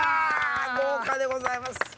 豪華でございます。